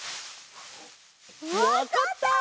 わかった！